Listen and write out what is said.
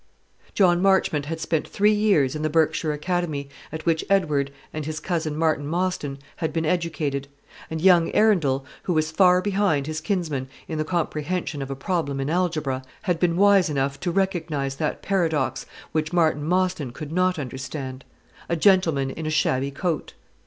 John Marchmont had spent three years in the Berkshire Academy at which Edward and his cousin, Martin Mostyn, had been educated; and young Arundel, who was far behind his kinsman in the comprehension of a problem in algebra, had been wise enough to recognise that paradox which Martin Mostyn could not understand a gentleman in a shabby coat.